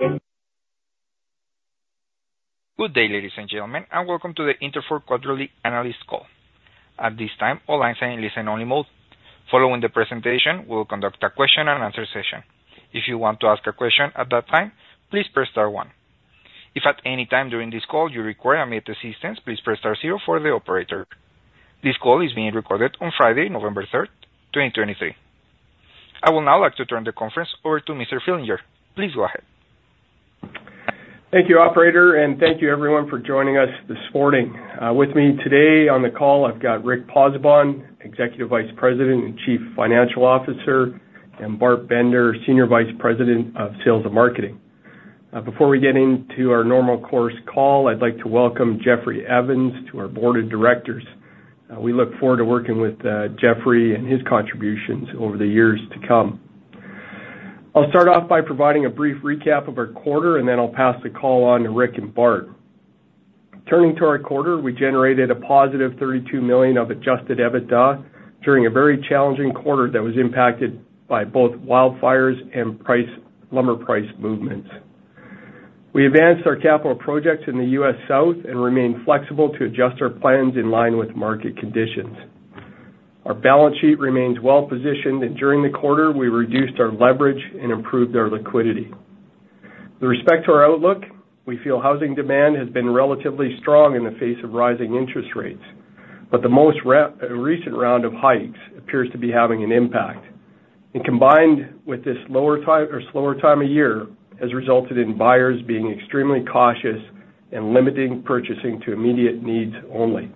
Good day, ladies and gentlemen, and welcome to the Interfor Quarterly Analyst Call. At this time, all lines are in listen-only mode. Following the presentation, we'll conduct a question-and-answer session. If you want to ask a question at that time, please press star one. If at any time during this call you require immediate assistance, please press star zero for the operator. This call is being recorded on Friday, November 3, 2023. I will now like to turn the conference over to Mr. Fillinger. Please go ahead. Thank you, operator, and thank you everyone for joining us this morning. With me today on the call, I've got Rick Pozzebon, Executive Vice President and Chief Financial Officer, and Bart Bender, Senior Vice President of Sales and Marketing. Before we get into our normal course call, I'd like to welcome Geoffrey Evans to our board of directors. We look forward to working with Geoffrey and his contributions over the years to come. I'll start off by providing a brief recap of our quarter, and then I'll pass the call on to Rick and Bart. Turning to our quarter, we generated a positive 32 million of Adjusted EBITDA during a very challenging quarter that was impacted by both wildfires and lumber price movements. We advanced our capital projects in the US South and remained flexible to adjust our plans in line with market conditions. Our balance sheet remains well-positioned, and during the quarter, we reduced our leverage and improved our liquidity. With respect to our outlook, we feel housing demand has been relatively strong in the face of rising interest rates, but the most recent round of hikes appears to be having an impact, and combined with this lower time or slower time of year, has resulted in buyers being extremely cautious and limiting purchasing to immediate needs only.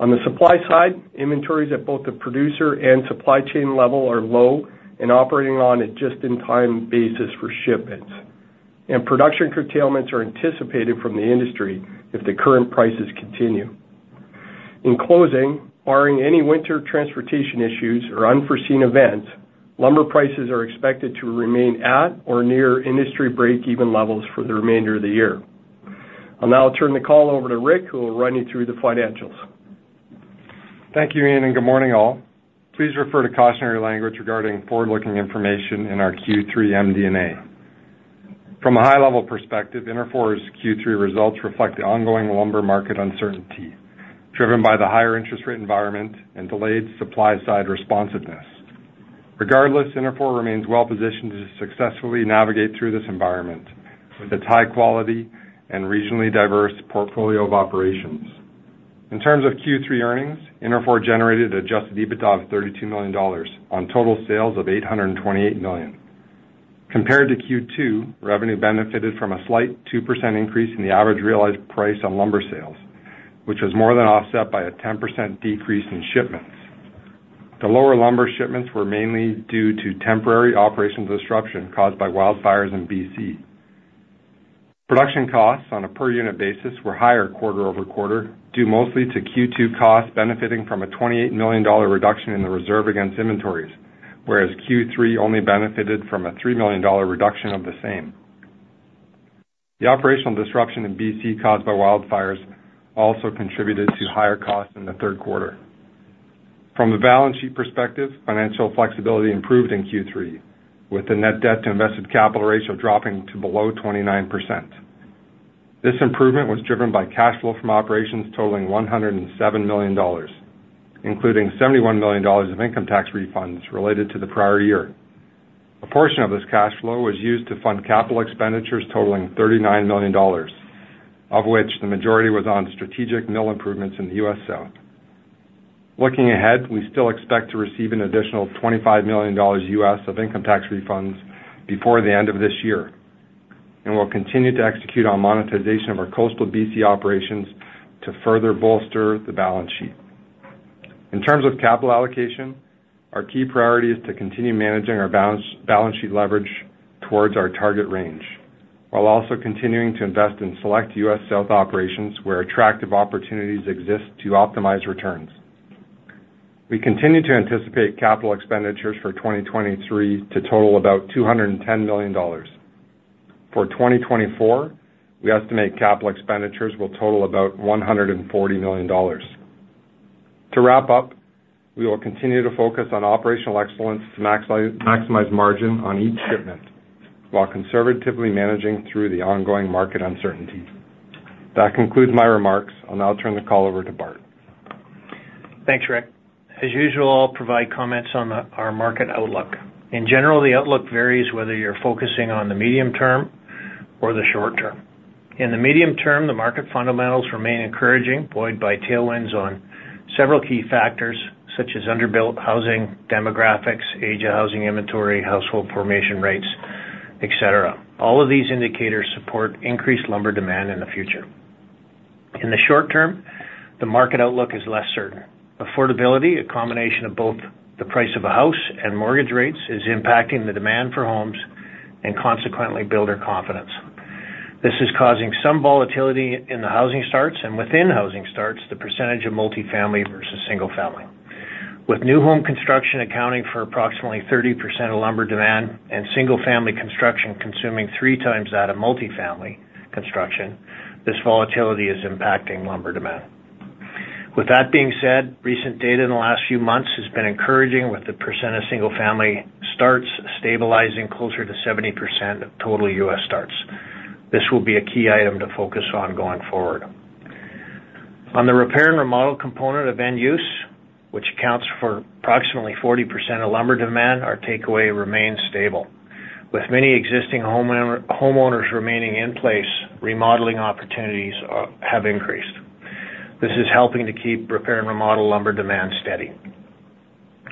On the supply side, inventories at both the producer and supply chain level are low and operating on a just-in-time basis for shipments, and production curtailments are anticipated from the industry if the current prices continue. In closing, barring any winter transportation issues or unforeseen events, lumber prices are expected to remain at or near industry break-even levels for the remainder of the year. I'll now turn the call over to Rick, who will run you through the financials. Thank you, Ian, and good morning, all. Please refer to cautionary language regarding forward-looking information in our Q3 MD&A. From a high-level perspective, Interfor's Q3 results reflect the ongoing lumber market uncertainty, driven by the higher interest rate environment and delayed supply-side responsiveness. Regardless, Interfor remains well positioned to successfully navigate through this environment with its high quality and regionally diverse portfolio of operations. In terms of Q3 earnings, Interfor generated Adjusted EBITDA of 32 million dollars on total sales of 828 million. Compared to Q2, revenue benefited from a slight 2% increase in the average realized price on lumber sales, which was more than offset by a 10% decrease in shipments. The lower lumber shipments were mainly due to temporary operational disruption caused by wildfires in BC. Production costs on a per-unit basis were higher quarter-over-quarter, due mostly to Q2 costs benefiting from a $28 million reduction in the reserve against inventories, whereas Q3 only benefited from a $3 million reduction of the same. The operational disruption in BC caused by wildfires also contributed to higher costs in the third quarter. From a balance sheet perspective, financial flexibility improved in Q3, with the net debt to invested capital ratio dropping to below 29%. This improvement was driven by cash flow from operations totaling $107 million, including $71 million of income tax refunds related to the prior year. A portion of this cash flow was used to fund capital expenditures totaling $39 million, of which the majority was on strategic mill improvements in the US South. Looking ahead, we still expect to receive an additional $25 million of income tax refunds before the end of this year, and we'll continue to execute on monetization of our coastal BC operations to further bolster the balance sheet. In terms of capital allocation, our key priority is to continue managing our balance sheet leverage towards our target range, while also continuing to invest in select US South operations where attractive opportunities exist to optimize returns. We continue to anticipate capital expenditures for 2023 to total about $210 million. For 2024, we estimate capital expenditures will total about $140 million. To wrap up, we will continue to focus on operational excellence to maximize margin on each shipment, while conservatively managing through the ongoing market uncertainty. That concludes my remarks. I'll now turn the call over to Bart. Thanks, Rick. As usual, I'll provide comments on our market outlook. In general, the outlook varies whether you're focusing on the medium term or the short term. In the medium term, the market fundamentals remain encouraging, buoyed by tailwinds on several key factors, such as underbuilt housing, demographics, age of housing inventory, household formation rates, et cetera. All of these indicators support increased lumber demand in the future. In the short term, the market outlook is less certain. Affordability, a combination of both the price of a house and mortgage rates, is impacting the demand for homes and consequently, builder confidence. This is causing some volatility in the housing starts, and within housing starts, the percentage of multifamily versus single-family. With new home construction accounting for approximately 30% of lumber demand and Single-family construction consuming three times that of Multifamily construction, this volatility is impacting lumber demand. With that being said, recent data in the last few months has been encouraging, with the percent of Single-family starts stabilizing closer to 70% of total U.S. starts. This will be a key item to focus on going forward. On the Repair and Remodel component of end use, which accounts for approximately 40% of lumber demand, our takeaway remains stable. With many existing homeowners remaining in place, remodeling opportunities have increased. This is helping to keep Repair and Remodel lumber demand steady.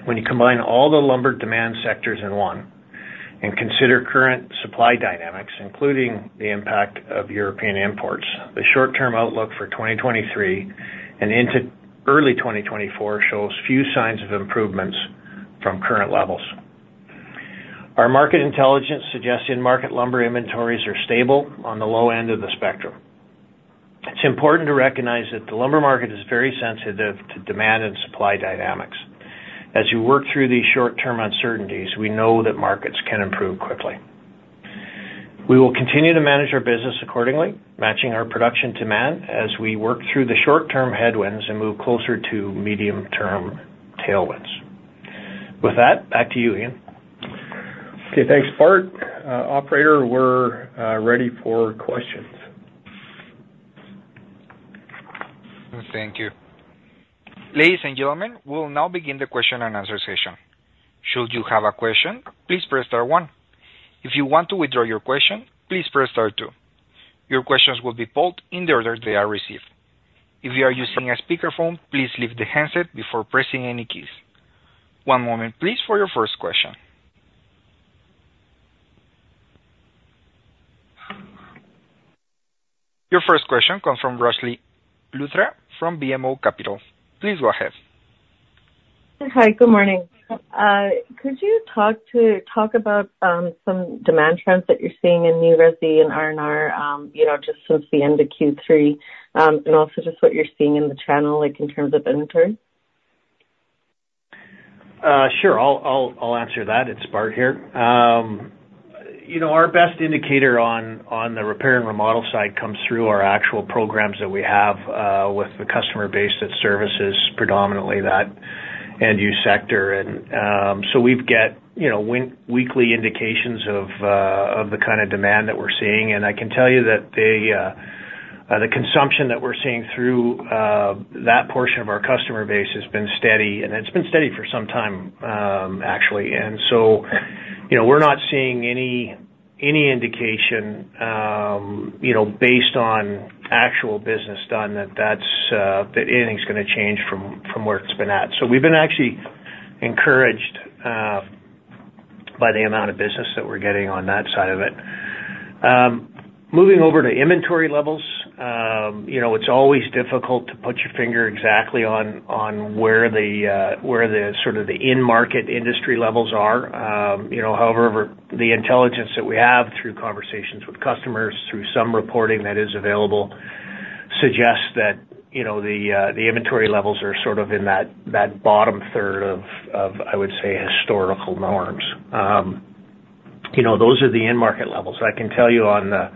When you combine all the lumber demand sectors in one, and consider current supply dynamics, including the impact of European imports, the short-term outlook for 2023 and into early 2024 shows few signs of improvements from current levels. Our market intelligence suggests in-market lumber inventories are stable on the low end of the spectrum. It's important to recognize that the lumber market is very sensitive to demand and supply dynamics. As you work through these short-term uncertainties, we know that markets can improve quickly. We will continue to manage our business accordingly, matching our production to demand as we work through the short-term headwinds and move closer to medium-term tailwinds. With that, back to you, Ian. Okay, thanks, Bart. Operator, we're ready for questions. Thank you. Ladies and gentlemen, we'll now begin the question-and-answer session. Should you have a question, please press star one. If you want to withdraw your question, please press star two. Your questions will be polled in the order they are received. If you are using a speakerphone, please leave the handset before pressing any keys. One moment, please, for your first question. Your first question comes from Roshni Luthra from BMO Capital Markets. Please go ahead. Hi, good morning. Could you talk about some demand trends that you're seeing in new resi and R&R, you know, just since the end of Q3, and also just what you're seeing in the channel, like, in terms of inventory? Sure. I'll answer that. It's Bart here. You know, our best indicator on the repair and remodel side comes through our actual programs that we have with the customer base that services predominantly that end-use sector. So we get, you know, weekly indications of the kind of demand that we're seeing. I can tell you that the consumption that we're seeing through that portion of our customer base has been steady, and it's been steady for some time, actually. So, you know, we're not seeing any indication, you know, based on actual business done, that that's anything's gonna change from where it's been at. We've been actually encouraged by the amount of business that we're getting on that side of it. Moving over to inventory levels, you know, it's always difficult to put your finger exactly on, on where the, where the sort of the in-market industry levels are. You know, however, the intelligence that we have through conversations with customers, through some reporting that is available, suggests that, you know, the, the inventory levels are sort of in that, that bottom third of, of, I would say, historical norms. You know, those are the end market levels. I can tell you on the,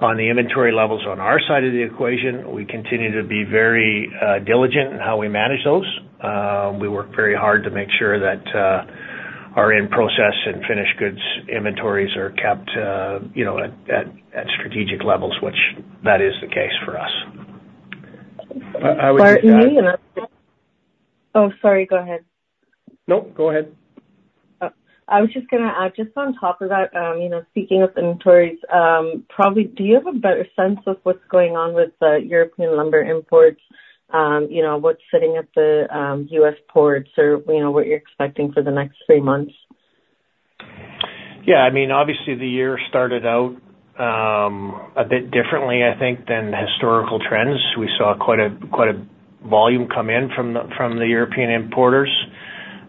on the inventory levels on our side of the equation, we continue to be very, diligent in how we manage those. We work very hard to make sure that, our in-process and finished goods inventories are kept, you know at, at strategic levels, which that is the case for us. I would Bart, can me and oh, sorry, go ahead. Nope, go ahead. I was just gonna add, just on top of that, you know, speaking of inventories, probably, do you have a better sense of what's going on with the European lumber imports? You know, what's sitting at the U.S. ports or, you know, what you're expecting for the next three months? Yeah, I mean, obviously, the year started out a bit differently, I think, than historical trends. We saw quite a volume come in from the European importers.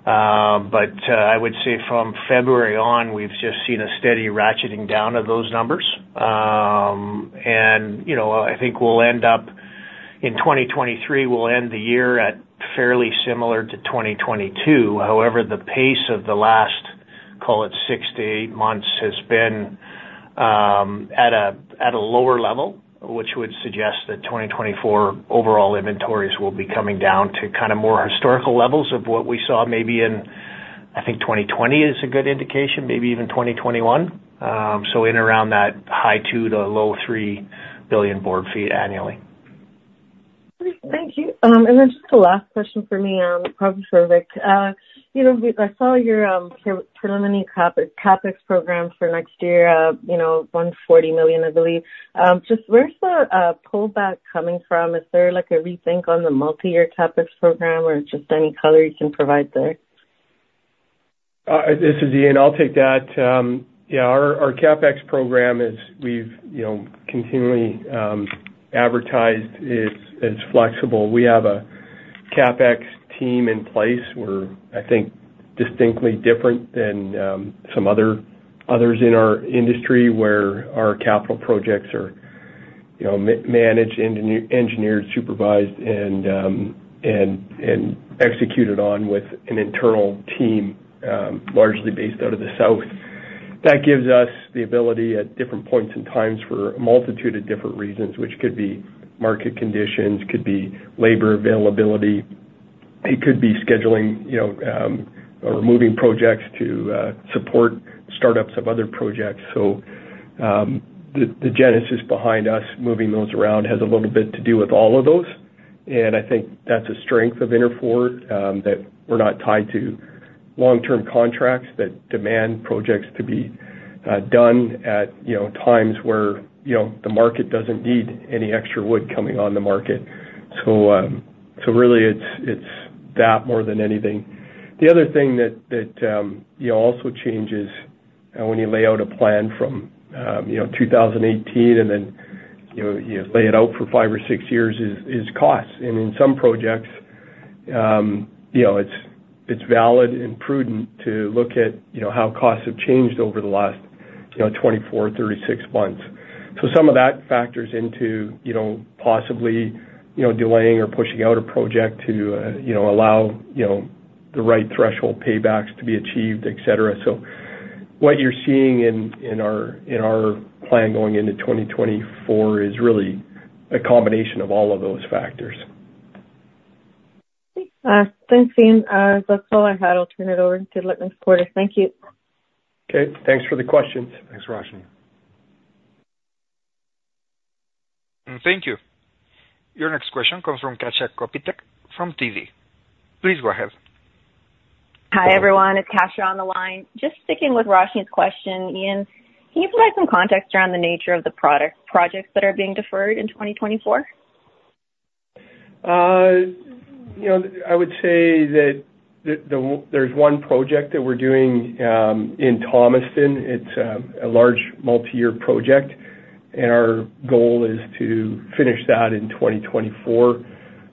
But I would say from February on, we've just seen a steady ratcheting down of those numbers. And, you know, I think we'll end up... In 2023, we'll end the year at fairly similar to 2022. However, the pace of the last, call it six to eight months, has been at a lower level, which would suggest that 2024 overall inventories will be coming down to kind of more historical levels of what we saw maybe in, I think 2020 is a good indication, maybe even 2021. So in around that high two to low three billion board feet annually. Thank you. And then just the last question for me, probably for Rick. You know, I saw your preliminary CapEx program for next year, you know, 140 million, I believe. Just where's the pullback coming from? Is there, like, a rethink on the multi-year CapEx program, or just any color you can provide there? This is Ian. I'll take that. Yeah, our CapEx program is, we've, you know, continually advertised it's flexible. We have a CapEx team in place. We're, I think, distinctly different than some others in our industry, where our capital projects are, you know, managed, engineered, supervised, and executed on with an internal team, largely based out of the South. That gives us the ability at different points in times for a multitude of different reasons, which could be market conditions, could be labor availability, it could be scheduling, you know, or moving projects to support startups of other projects. So, the genesis behind us moving those around has a little bit to do with all of those, and I think that's a strength of Interfor, that we're not tied to long-term contracts that demand projects to be done at, you know, times where, you know, the market doesn't need any extra wood coming on the market. So, really it's that more than anything. The other thing that you know also changes when you lay out a plan from 2018, and then, you know, you lay it out for five or six years, is cost. And in some projects, you know, it's valid and prudent to look at, you know, how costs have changed over the last 24, 36 months. So some of that factors into, you know, possibly, you know, delaying or pushing out a project to, you know, allow, you know, the right threshold paybacks to be achieved, et cetera. So what you're seeing in our plan going into 2024 is really a combination of all of those factors. Thanks, Ian. That's all I had. I'll turn it over to Litman Porter. Thank you. Okay, thanks for the questions. Thanks, Roshni. Thank you. Your next question comes from Kasia Kopytek from TD. Please go ahead. Hi, everyone. It's Kasia on the line. Just sticking with Roshni's question, Ian, can you provide some context around the nature of the capital projects that are being deferred in 2024? You know, I would say that there's one project that we're doing in Thomaston. It's a large multiyear project, and our goal is to finish that in 2024.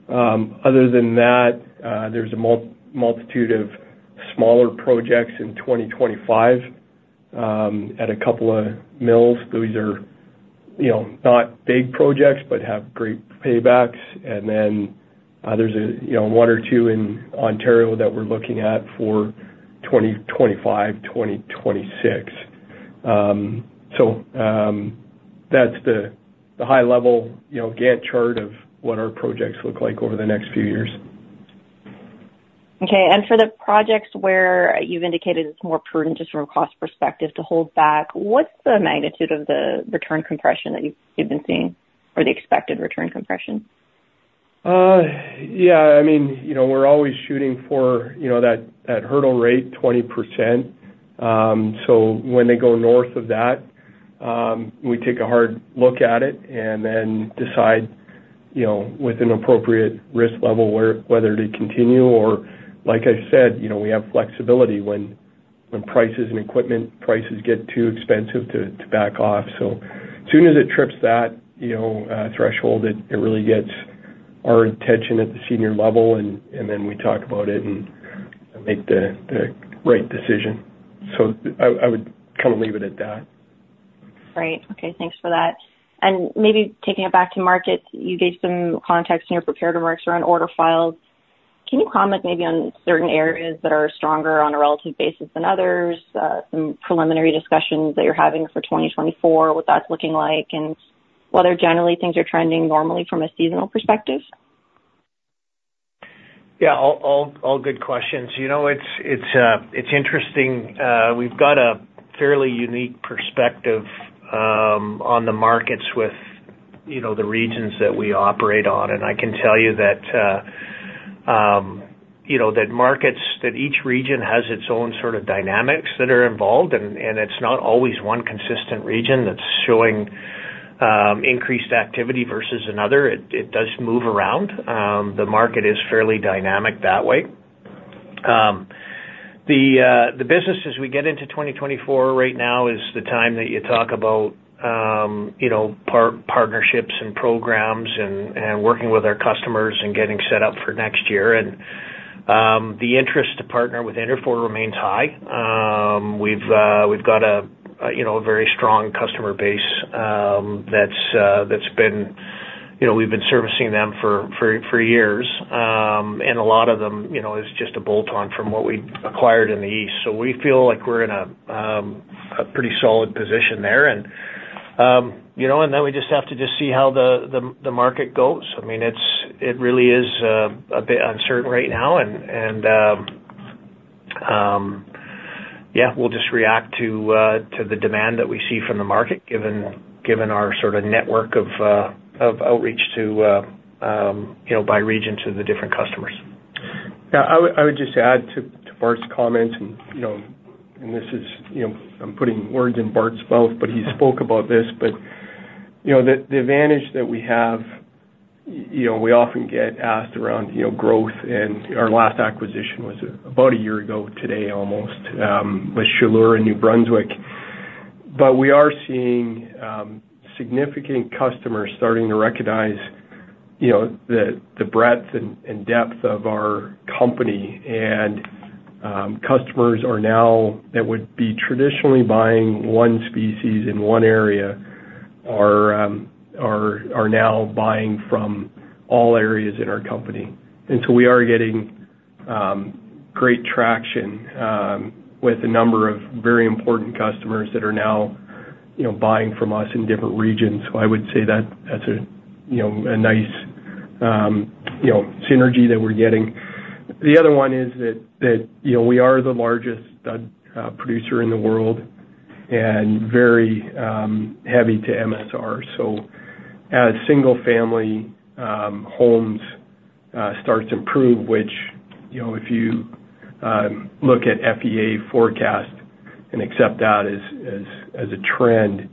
Other than that, there's a multitude of smaller projects in 2025 at a couple of mills. Those are, you know, not big projects, but have great paybacks. And then, there's a, you know, one or two in Ontario that we're looking at for 2025, 2026. So, that's the high level, you know, Gantt chart of what our projects look like over the next few years. Okay. For the projects where you've indicated it's more prudent, just from a cost perspective, to hold back, what's the magnitude of the return compression that you've been seeing or the expected return compression? Yeah, I mean, you know, we're always shooting for, you know, that, that hurdle rate, 20%. So when they go north of that, we take a hard look at it and then decide, you know, with an appropriate risk level, whether to continue or like I said, you know, we have flexibility when prices and equipment prices get too expensive, to back off. So as soon as it trips that, you know, threshold, it really gets our attention at the senior level, and then we talk about it and make the right decision. So I would kind of leave it at that. Great. Okay, thanks for that. And maybe taking it back to markets, you gave some context in your prepared remarks around order files. Can you comment maybe on certain areas that are stronger on a relative basis than others, some preliminary discussions that you're having for 2024, what that's looking like, and whether generally things are trending normally from a seasonal perspective? Yeah, all good questions. You know, it's, it's, it's interesting. We've got a fairly unique perspective on the markets with, you know, the regions that we operate on. And I can tell you that, you know, each region has its own sort of dynamics that are involved, and, and it's not always one consistent region that's showing increased activity versus another. It does move around. The market is fairly dynamic that way. The businesses we get into 2024 right now is the time that you talk about, you know, partnerships and programs and working with our customers and getting set up for next year. And the interest to partner with Interfor remains high. We've got a, you know, a very strong customer base, that's been. You know, we've been servicing them for years. And a lot of them, you know, is just a bolt-on from what we acquired in the East. So we feel like we're in a pretty solid position there. And, you know, and then we just have to see how the market goes. I mean, it's. It really is a bit uncertain right now. And, yeah, we'll just react to the demand that we see from the market, given our sort of network of outreach to, you know, by region, to the different customers. Yeah, I would, I would just add to, to Bart's comment, and, you know, and this is, you know, I'm putting words in Bart's mouth, but he spoke about this. But, you know, the, the advantage that we have, you know, we often get asked around, you know, growth, and our last acquisition was about a year ago today, almost, with Chaleur in New Brunswick. But we are seeing significant customers starting to recognize, you know, the, the breadth and, and depth of our company. And customers are now that would be traditionally buying one species in one area are now buying from all areas in our company. And so we are getting great traction with a number of very important customers that are now, you know, buying from us in different regions. So I would say that that's a, you know, a nice, you know, synergy that we're getting. The other one is that, you know, we are the largest producer in the world and very heavy to MSR. So as single-family homes start to improve, which, you know, if you look at FEA forecast and accept that as a trend,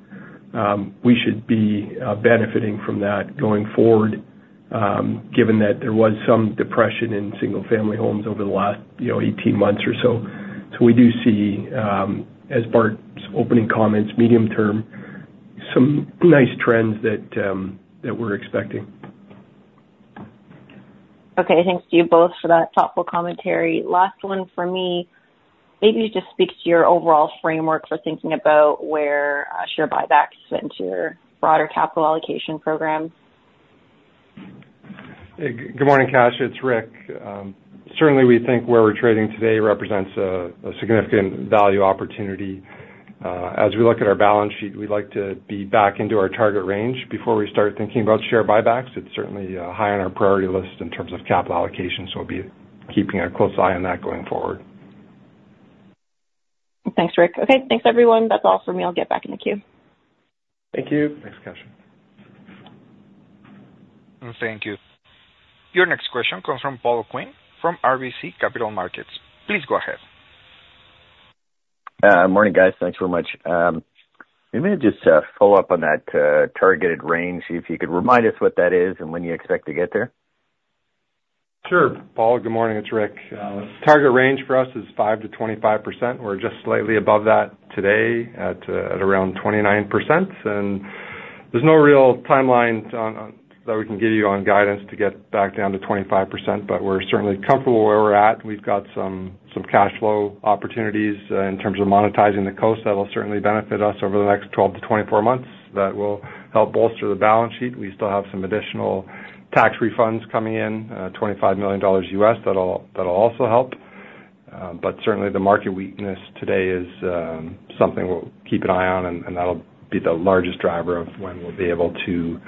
we should be benefiting from that going forward, given that there was some depression in single-family homes over the last, you know, 18 months or so. So we do see, as part of opening comments, medium term, some nice trends that we're expecting. Okay, thanks to you both for that thoughtful commentary. Last one for me. Maybe just speak to your overall framework for thinking about where share buybacks fit into your broader capital allocation program. Hey, good morning, Kasia. It's Rick. Certainly, we think where we're trading today represents a significant value opportunity. As we look at our balance sheet, we'd like to be back into our target range before we start thinking about share buybacks. It's certainly high on our priority list in terms of capital allocation, so we'll be keeping a close eye on that going forward. Thanks, Rick. Okay, thanks everyone. That's all for me. I'll get back in the queue. Thank you. Thanks, Kasia. Thank you. Your next question comes from Paul Quinn, from RBC Capital Markets. Please go ahead. Morning, guys. Thanks very much. Maybe just follow up on that targeted range, if you could remind us what that is and when you expect to get there? Sure, Paul. Good morning. It's Rick. Target range for us is 5%-25%. We're just slightly above that today at around 29%. And there's no real timelines on that we can give you on guidance to get back down to 25%, but we're certainly comfortable where we're at. We've got some cash flow opportunities in terms of monetizing the coast. That'll certainly benefit us over the next 12-24 months. That will help bolster the balance sheet. We still have some additional tax refunds coming in, $25 million, that'll also help. But certainly the market weakness today is something we'll keep an eye on, and that'll be the largest driver of when we'll be able to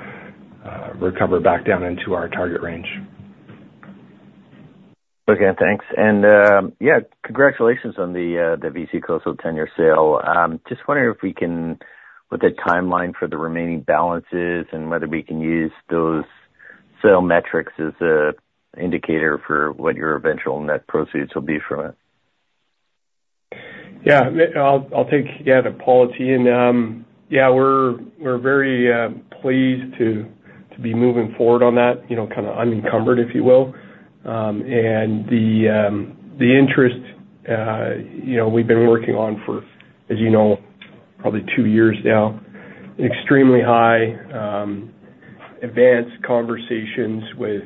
recover back down into our target range. Okay, thanks. And, yeah, congratulations on the BC coastal tenure sale. Just wondering what the timeline for the remaining balance is, and whether we can use those sale metrics as an indicator for what your eventual net proceeds will be from it? Yeah, I'll take, yeah, the policy. And yeah, we're very pleased to be moving forward on that, you know, kind of unencumbered, if you will. And the interest, you know, we've been working on for, as you know, probably two years now, extremely high, advanced conversations with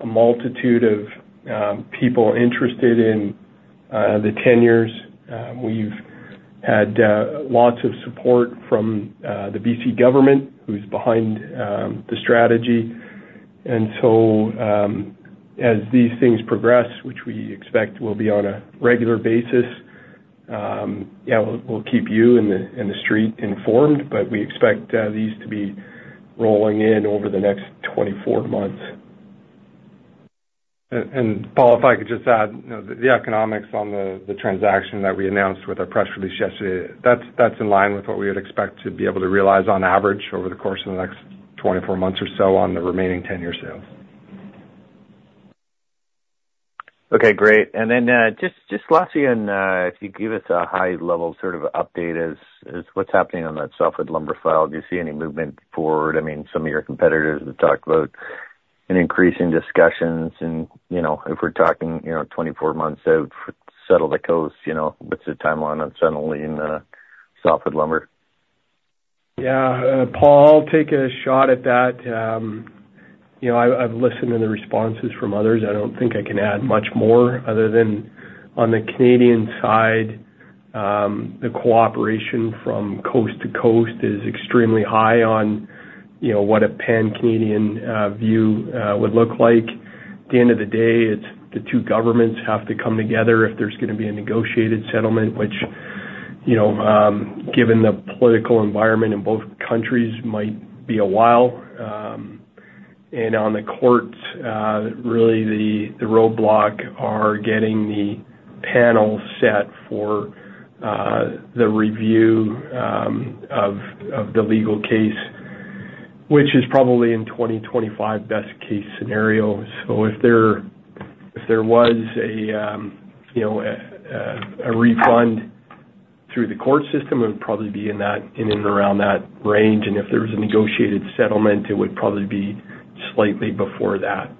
a multitude of people interested in the tenures. We've had lots of support from the BC government, who's behind the strategy. And so, as these things progress, which we expect will be on a regular basis, yeah, we'll keep you and the street informed, but we expect these to be rolling in over the next 24 months. Paul, if I could just add, you know, the economics on the transaction that we announced with our press release yesterday, that's in line with what we would expect to be able to realize on average over the course of the next 24 months or so on the remaining 10-year sales. Okay, great. And then, just lastly, if you give us a high-level sort of update, as what's happening on that Softwood Lumber file. Do you see any movement forward? I mean, some of your competitors have talked about an increase in discussions and, you know, if we're talking, you know, 24 months out, settle the coast, you know, what's the timeline on settling Softwood Lumber? Yeah. Paul, I'll take a shot at that. You know, I've listened to the responses from others. I don't think I can add much more, other than on the Canadian side, the cooperation from coast to coast is extremely high on, you know, what a Pan-Canadian view would look like. At the end of the day, it's the two governments have to come together if there's gonna be a negotiated settlement, which, you know, given the political environment in both countries, might be a while. And on the courts, really the roadblock is getting the panel set for the review of the legal case, which is probably in 2025, best case scenario. So if there was a, you know, a refund through the court system, it would probably be in and around that range, and if there was a negotiated settlement, it would probably be slightly before that.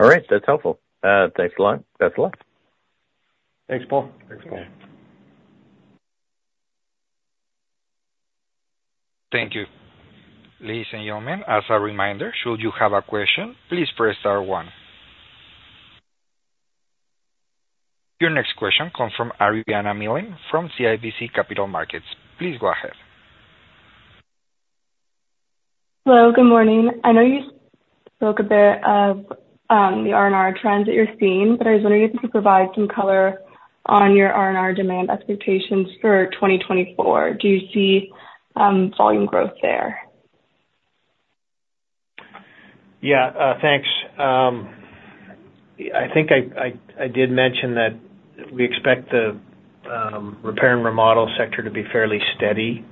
All right. That's helpful. Thanks a lot. Best of luck. Thanks, Paul. Thanks, Paul. Thank you. Ladies and gentlemen, as a reminder, should you have a question, please press star one. Your next question comes from Arianna Milling from CIBC Capital Markets. Please go ahead. Hello, good morning. I know you spoke a bit of the R&R trends that you're seeing, but I was wondering if you could provide some color on your R&R demand expectations for 2024. Do you see volume growth there? Yeah, thanks. I think I did mention that we expect the repair and remodel sector to be fairly steady.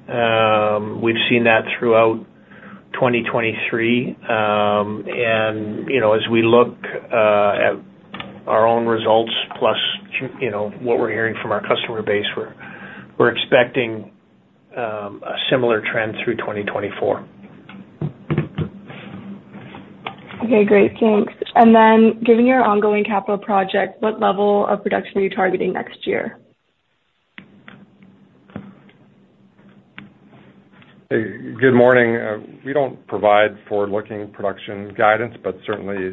We've seen that throughout 2023. And, you know, as we look at our own results, plus, you know, what we're hearing from our customer base, we're expecting a similar trend through 2024. Okay, great. Thanks. And then, given your ongoing capital project, what level of production are you targeting next year? Hey, good morning. We don't provide forward-looking production guidance, but certainly,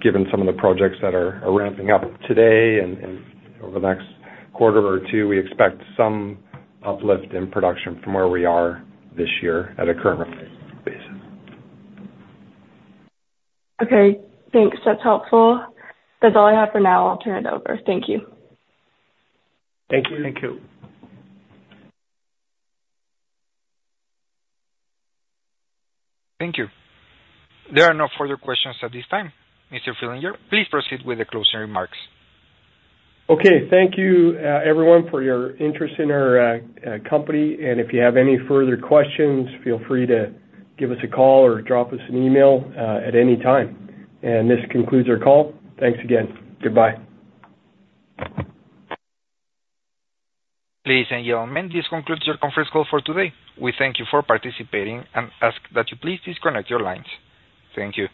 given some of the projects that are ramping up today and over the next quarter or two, we expect some uplift in production from where we are this year at a current rate basis. Okay, thanks. That's helpful. That's all I have for now. I'll turn it over. Thank you. Thank you. Thank you. Thank you. There are no further questions at this time. Mr. Fillinger, please proceed with the closing remarks. Okay. Thank you, everyone, for your interest in our company, and if you have any further questions, feel free to give us a call or drop us an email at any time. This concludes our call. Thanks again. Goodbye. Ladies and gentlemen, this concludes your conference call for today. We thank you for participating and ask that you please disconnect your lines. Thank you.